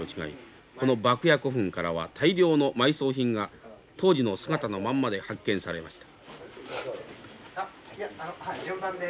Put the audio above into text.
この牧野古墳からは大量の埋葬品が当時の姿のまんまで発見されました。